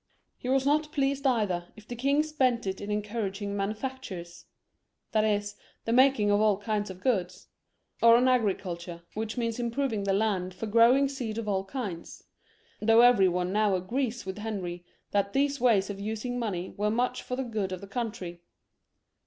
He was not pleased either if the king spent it in encouraging manufactures, that is, the making of all kinds of goods, or on agriculture, which means improving the land for growing seed of all kinds ; though every one now agrees with Henry that these ways of using money were much for the good of the country.